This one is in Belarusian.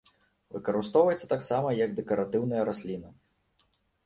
Выкарыстоўваецца таксама як дэкаратыўная расліна.